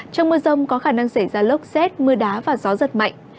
trong mưa rông có khả năng xảy ra lốc xét mưa đá và gió giật mạnh